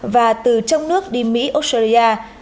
và từ trong nước đi mỹ australia